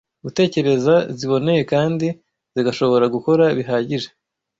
gutekereza ziboneye kandi zigashobora gukora bihagije